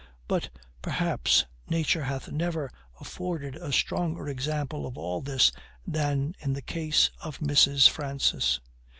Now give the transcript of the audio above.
But, perhaps, nature hath never afforded a stronger example of all this than in the case of Mrs. Francis.